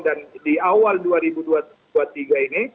dan di awal dua ribu dua puluh tiga ini